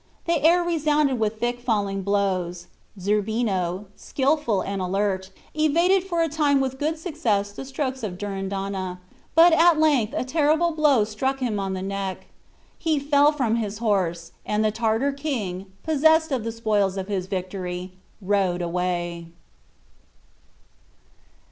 The air resounded with thick falling blows. Zerbino, skilful and alert, evaded for a time with good success the strokes of Durindana; but at length a terrible blow struck him on the neck. He fell from his horse, and the Tartar king, possessed of the spoils of his victory, rode away.